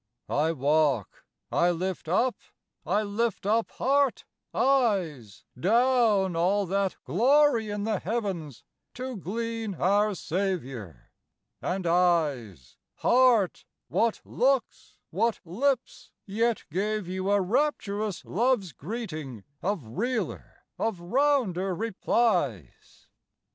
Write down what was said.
I walk, I lift up, I lift up heart, eyes, Down all that glory in the heavens to glean our Saviour; And, éyes, heárt, what looks, what lips yet gave you a Rapturous love's greeting of realer, of rounder replies?